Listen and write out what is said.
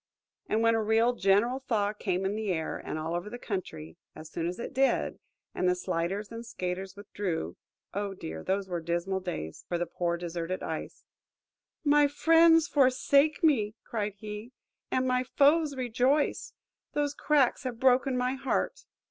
And when a real general thaw came in the air, and all over the country, as it soon did, and the sliders and skaters withdrew–oh, dear, those were dismal days for the poor deserted Ice!–"My friends forsake me," cried he, "and my foes rejoice! Those cracks have broken my heart!